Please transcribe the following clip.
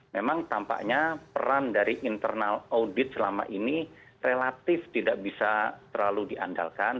memang tampaknya peran dari internal audit selama ini relatif tidak bisa terlalu diandalkan